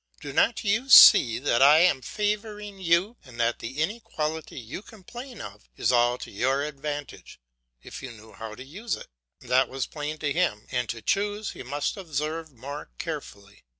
Do not you see that I am favouring you, and that the inequality you complain of is all to your advantage, if you knew how to use it?" That was plain to him; and to choose he must observe more carefully.